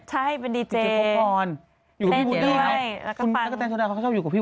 ใช่เป็นดีเจย์ดีเจย์พ็อกพรแทนด้วยแล้วก็แทนด้วยเขาชอบอยู่กับพี่